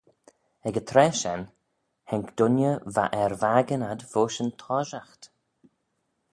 Ec yn traa shen haink dooinney va er vakin ad voish yn toshiaght.